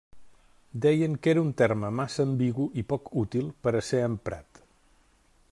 Deien que era un terme massa ambigu i poc útil per a ser emprat.